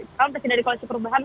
calon presiden dari koleksi perubahan